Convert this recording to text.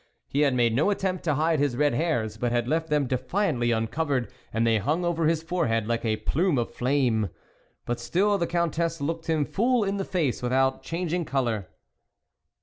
He had made no attempt to hide his red hairs, but had left them defiantly uncovered, and they hung over his forehead like a plume of flame. But still the Countess looked him full in the face without changing colour.